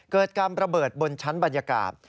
เกิดการระเบิดบนชั้นบรรยากาศ